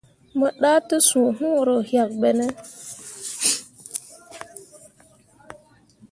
Mo ɗah tesũũ huro yak ɓene.